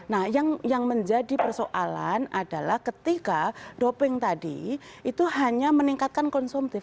nah yang menjadi persoalan adalah ketika doping tadi itu hanya meningkatkan konsumtif